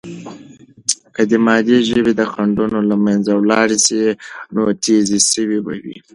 که د مادی ژبې خنډونه له منځه ولاړ سي، نو تیزي سوې به وي.